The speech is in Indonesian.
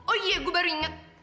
oh iya gue baru inget